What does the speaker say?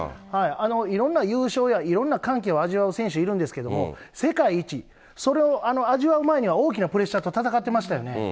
いろんな優勝やいろんな歓喜を味わう選手、いるんですけど、世界一、それを味わう前には大きなプレッシャーと戦ってましたよね。